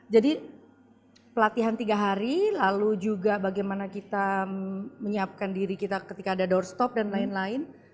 jadi pelatihan tiga hari lalu juga bagaimana kita menyiapkan diri kita ketika ada doorstop dan lain lain